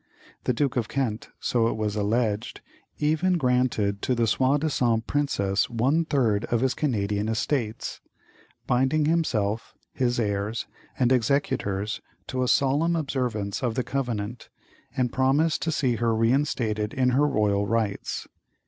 The Duke of Kent, so it was alleged, even granted to the soi disant princess one third of his Canadian estates, binding himself, his heirs, and executors to a solemn observance of the covenant, and promised to see her reinstated in her royal rights.